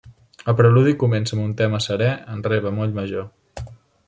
El preludi comença amb un tema serè en re bemoll major.